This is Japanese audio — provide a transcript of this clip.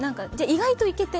意外と行けて。